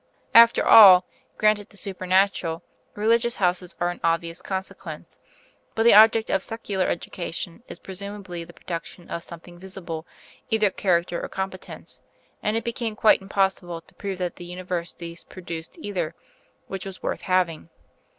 After all, granted the supernatural, Religious Houses are an obvious consequence; but the object of secular education is presumably the production of something visible either character or competence; and it became quite impossible to prove that the Universities produced either which was worth having.